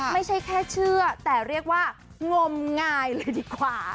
ไม่ใช่แค่เชื่อแต่เรียกว่างมงายเลยดีกว่า